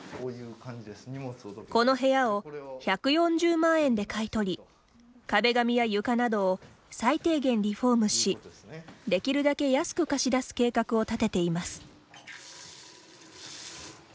この部屋を１４０万円で買い取り壁紙や床などを最低限リフォームしできるだけ安く貸し出す計画を立てています。